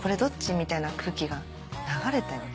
みたいな空気が流れたよね？